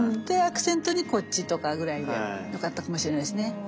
でアクセントにこっちとかぐらいでよかったかもしれないですね。